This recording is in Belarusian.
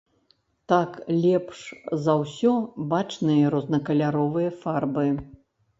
Так лепш за ўсё бачныя рознакаляровыя фарбы.